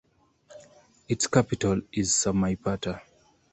Its capital is Samaipata.